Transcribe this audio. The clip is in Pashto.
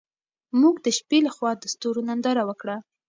موږ د شپې لخوا د ستورو ننداره وکړه.